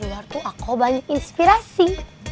kalau di luar tuh aku banyak inspirasi